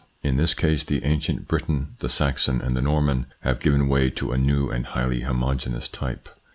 In his case the ancient Briton, the Saxon, and the Norman have given way to a new and highly homogeneous type.